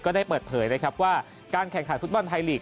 ได้เปิดเผยนะครับว่าการแข่งขันฟุตบอลไทยลีก